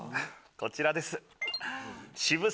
こちらです。